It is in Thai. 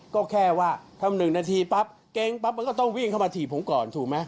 ก็แค่ว่าทำ๑นาทีปั๊บเก๊งปั๊บมันก็ต้องวิ่งเข้ามาถีบผมก่อนถูกไหม